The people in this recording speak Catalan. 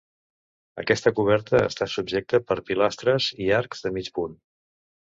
Aquesta coberta està subjecta per pilastres i arcs de mig punt.